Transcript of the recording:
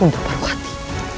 untuk paruh hati